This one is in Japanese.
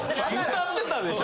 歌ってたでしょ